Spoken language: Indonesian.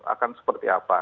akan seperti apa